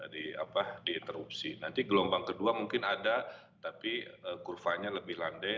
di apa di interupsi nanti gelombang kedua mungkin ada tapi kurvanya lebih landai